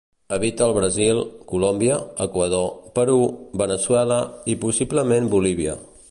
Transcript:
Habita al Brasil, Colòmbia, Equador, Perú, Veneçuela i possiblement Bolívia.